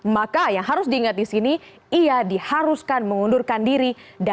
maka yang harus diingat di sini ia diharuskan mengundurkan diri